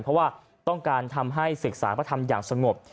เพราะว่าต้องการทำให้ศึกษาพระธรรมอย่างสงบ